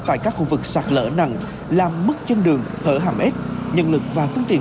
tại các khu vực sạt lỡ nặng làm mất chân đường thở hàm ếch nhân lực và phương tiện